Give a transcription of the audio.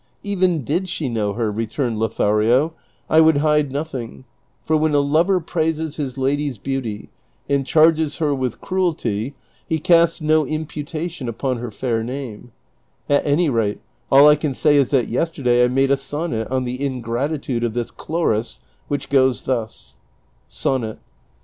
"Even did she know her," returned JjOthario, "I would hide nothing, for when a lover praises his lady's beauty, and charges her with cruelty, he casts no imputation upon iierfair name ; at any rate, all I can say is that yesterday I made a sonnet on the ingratitude of this Cliloris, which goes thus : SONNET.'